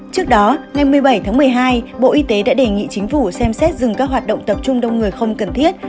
trước đó ngày một mươi bảy tháng một mươi hai bộ y tế đã đề nghị chính phủ xem xét dừng các hoạt động tập trung đông người không cần thiết